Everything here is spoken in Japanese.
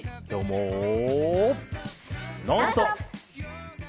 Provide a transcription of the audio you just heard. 「ノンストップ！」。